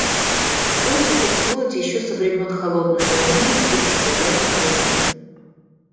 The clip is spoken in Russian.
Он существует еще со времен «холодной войны» и постоянно крепнет.